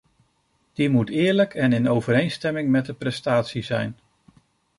Die moet eerlijk en in overeenstemming met de prestatie zijn.